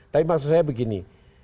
tapi maksud saya begini